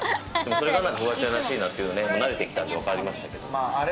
それがフワちゃんらしいなというのは慣れてきてわかりましたけれども。